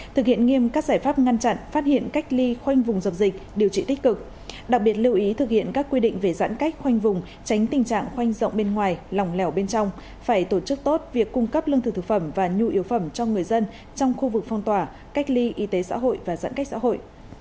thực hiện nghiêm các giải pháp ngăn chặn phát hiện cách ly khoanh vùng dập dịch điều trị tích cực đặc biệt lưu ý thực hiện các quy định về giãn cách khoanh vùng tránh tình trạng khoanh rộng bên ngoài lòng lẻo bên trong phải tổ chức tốt việc cung cấp lương thực thực phẩm và nhu yếu phẩm cho người dân trong khu vực phong tỏa cách ly y tế xã hội và giãn cách xã hội